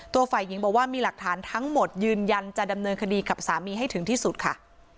ฝ่ายหญิงบอกว่ามีหลักฐานทั้งหมดยืนยันจะดำเนินคดีกับสามีให้ถึงที่สุดค่ะ